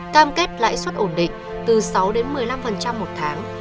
cam kết lãi suất ổn định từ sáu một mươi năm một tháng